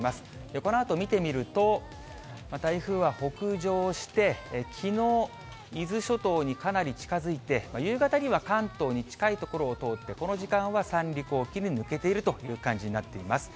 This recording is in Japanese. このあと見てみると、台風は北上して、きのう、伊豆諸島にかなり近づいて、夕方には関東に近い所を通って、この時間は三陸沖に抜けているという感じになっています。